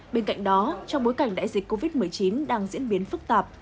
bên cạnh đó trong bối cảnh đại dịch covid một mươi chín đang diễn biến phức tạp